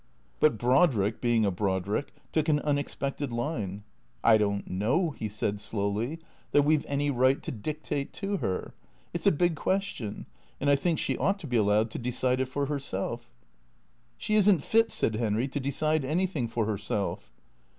But Brodrick, being a Brodrick, took an unexpected line. " I don't know," he said slowly, " that we 've any right to dictate to her. It 's a big question, and I think she ought to be allowed to decide it for herself." " She is n't fit," said Henry, " to decide anything for her self."